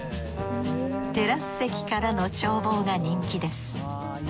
テラス席からの眺望が人気です。